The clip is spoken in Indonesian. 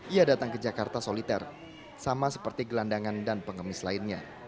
ia datang ke jakarta soliter sama seperti gelandangan dan pengemis lainnya